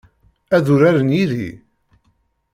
Ad uraren yid-i?